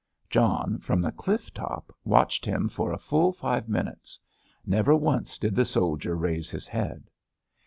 John, from that cliff top, watched him for a full five minutes; never once did the soldier raise his head.